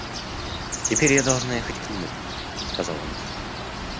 Теперь я должна ехать к нему, — сказала она сухо.